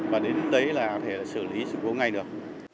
và đến đấy là có thể xử lý sự cố ngay được